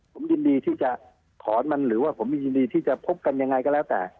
ผมยินดีที่จะถอนมันหรือว่าผมยินดีที่จะพบกันยังไงก็แล้วแต่